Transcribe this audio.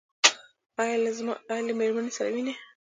ایا له میرمنې سره وینئ؟